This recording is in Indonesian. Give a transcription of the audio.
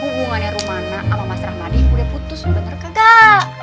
hubungannya rumana sama mas rahmadi udah putus bener gak